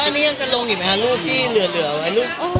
แล้วอันนี้ยังจะลงอีกมั้ยคะรูปที่เหลือไอ้รูปสวย